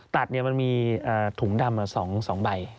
ตัดมันมีถุงดำ๒ใบ